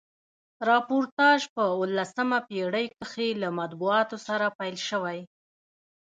راپورتاژپه اوولسمه پیړۍ کښي له مطبوعاتو سره پیل سوی.